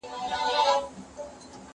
زه اجازه لرم چي درسونه اورم!؟